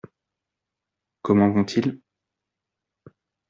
Comment vont-ils ?